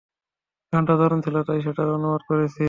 গানটা দারুণ ছিল তাই সেটারও অনুবাদ করেছি।